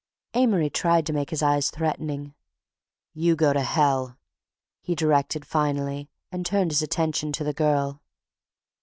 Amory tried to make his eyes threatening. "You go to hell!" he directed finally, and turned his attention to the girl.